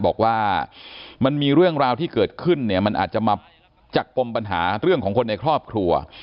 บอกว่ามันมีเรื่องราวที่เกิดขึ้นเนี่ยมันอาจจะมาจากปมปัญหาเรื่องของคนในครอบครัว